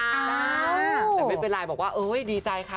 เดี๋ยวเบียบไลน์บอกว่าไดีใจค่ะ